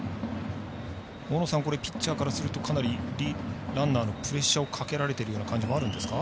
大野さん、ピッチャーからするとランナーのプレッシャーをかけられてる感じあるんですか。